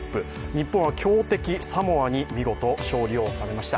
日本は強敵サモアに見事勝利を収めました。